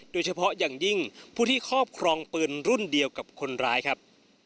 โดยเฉพาะอย่างยิ่งผู้ที่ครอบครองปืนรุ่นเดียวกับคนร้ายครับ